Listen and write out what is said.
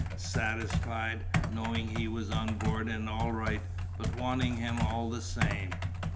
Satisfied, knowing he was on board and all right, but wanting him all the same.